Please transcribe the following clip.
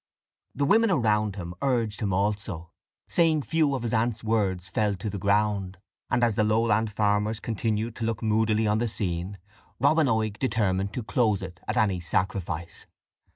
The women around him urged him also, saying few of his aunt's words fell to the ground; and as the Lowland farmers continued to look moodily on the scene, Robin Oig determined to close it at any sacrifice.